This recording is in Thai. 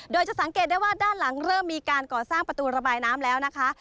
โดยจะสังเกตได้ว่าด้านหลังเริ่มมีการก่อสร้างประตูระบายน้ำแล้วนะคะ